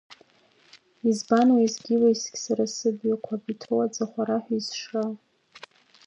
Избан уеизгьы-уеизгьы сара сыбҩа қәаб иҭоу аӡы ахәараҳәа изшра?